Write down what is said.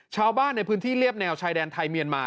ชาวบ้านในพื้นที่เรียบแนวชายแดนไทยเมียนมา